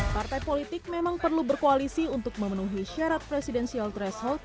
partai politik memang perlu berkoalisi untuk memenuhi syarat presidensial threshold